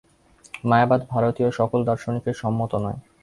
মায়াবাদ ভারতীয় সকল দার্শনিকের সম্মত নয়।